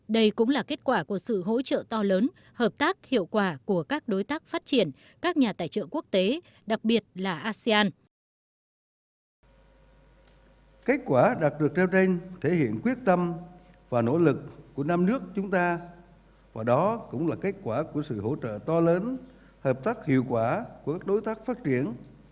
đây cũng là kết quả của sự hỗ trợ to lớn hợp tác hiệu quả của các đối tác phát triển